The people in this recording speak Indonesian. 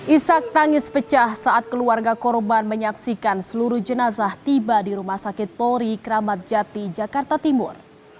isak tangis pecah saat keluarga korban menyaksikan seluruh jenazah tiba di rumah sakit polri kramat jati jakarta timur